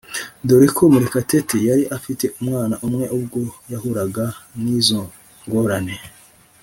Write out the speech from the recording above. dore ko Murekatete yari afite umwana umwe ubwo yahuraga n’izo ngorane